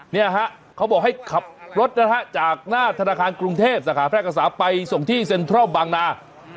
เนี่ยฮะเขาบอกให้ขับรถนะฮะจากหน้าธนาคารกรุงเทพสาขาแพร่กษาไปส่งที่เซ็นทรัลบางนา